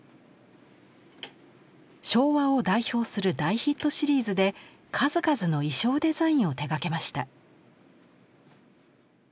昭和を代表する大ヒットシリーズで数々の衣装デザインを手がけました。